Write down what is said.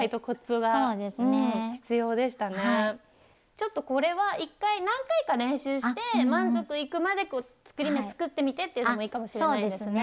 ちょっとこれは一回何回か練習して満足いくまで作り目作ってみてっていうのもいいかもしれないですね。